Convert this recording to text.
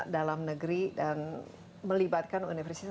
dalam negeri dan melibatkan universitas